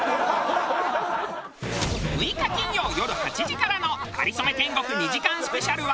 ６日金曜よる８時からの『かりそめ天国』２時間スペシャルは。